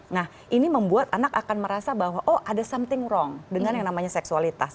nah ini membuat anak akan merasa bahwa oh ada something wrong dengan yang namanya seksualitas